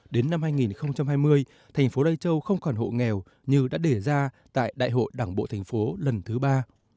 đến năm hai nghìn hai mươi thành phố lây châu không còn hộ nghèo như đã để ra tại đại hội đảng bộ thành phố lần thứ ba